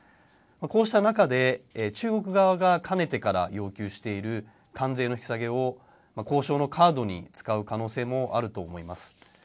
こうした中で中国側がかねてから要求している関税の引き下げを交渉のカードに使う可能性もあると思います。